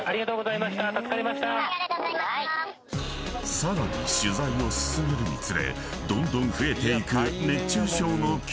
［さらに取材を進めるにつれどんどん］